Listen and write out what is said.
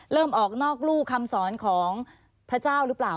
ออกนอกรู่คำสอนของพระเจ้าหรือเปล่า